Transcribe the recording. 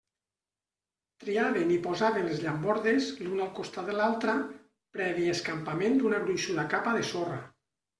Triaven i posaven les llambordes, l'una al costat de l'altra, previ escampament d'una gruixuda capa de sorra.